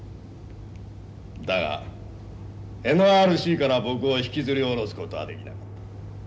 だがＮＲＣから僕を引きずり下ろすことはできなかった。